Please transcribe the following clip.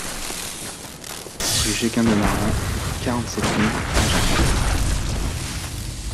Rue Jegun de Marans, quarante-sept mille Agen